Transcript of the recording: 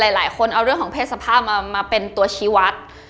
หลายคนเอาเรื่องของเพศสภาพมาเป็นตัวชี้วัด